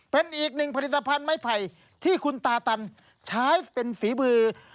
เป็นอีกหนึ่งผลิตภัณฑ์ไม้ไผ่ที่คุณตาตันใช้เป็นฝีมือ